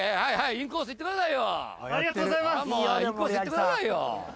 インコース行ってくださいよ。